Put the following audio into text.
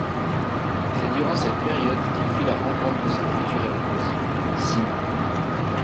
C'est durant cette période qu'il fit la rencontre de sa future épouse, Simonne.